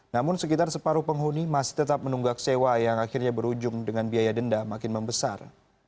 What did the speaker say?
namun sekitar separuh penghuni masih tetap menunggak sewa yang akhirnya berujung dengan biaya denda makin membesar